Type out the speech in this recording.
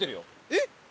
えっ！？